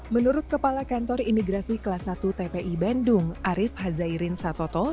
menurut kepala kantor imigrasi kelas satu tpi bandung arief hazairin satoto